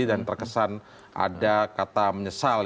dan terkesan ada kata menyesal